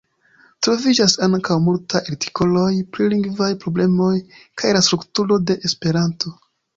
Troviĝas ankaŭ multaj artikoloj pri lingvaj problemoj kaj la strukturo de Esperanto.